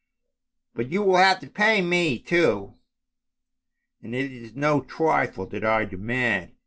" But you will have to pay me, too," said the witch, " and it is no trifle that I demand.